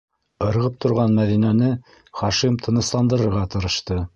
- Ырғып торған Мәҙинәне Хашим тынысландырырға тырышты: